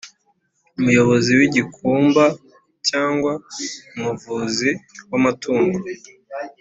Umuyobozi w’igikumba cyangwa umuvuzi w’amatungo